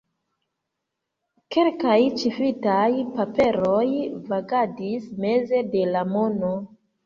Kelkaj ĉifitaj paperoj vagadis meze de la mono.